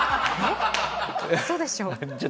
嘘でしょ？